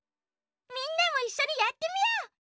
みんなもいっしょにやってみよう！